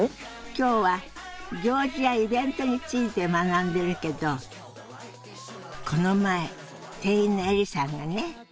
今日は行事やイベントについて学んでるけどこの前店員のエリさんがね